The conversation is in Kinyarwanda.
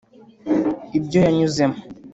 ibyo yanyuzemo